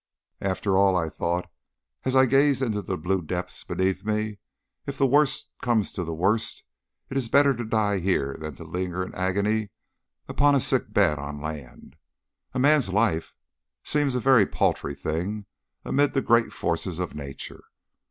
"After all," I thought, as I gazed into the blue depths beneath me, "if the worst comes to the worst, it is better to die here than to linger in agony upon a sick bed on land." A man's life seems a very paltry thing amid the great forces of Nature.